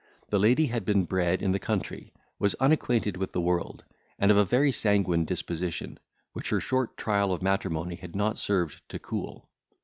The lady had been bred in the country, was unacquainted with the world, and of a very sanguine disposition, which her short trial of matrimony had not served to cool.